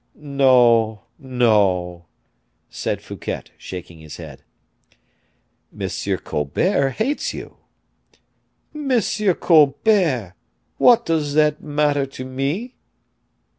"No, no," said Fouquet, shaking his head. "M. Colbert hates you." "M. Colbert! What does that matter to me?"